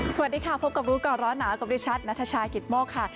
สวัสดีค่ะพบกับรู้ก่อนร้อนหนาวกับดิฉันนัทชายกิตโมกค่ะ